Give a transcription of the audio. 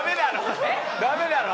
ダメだろ！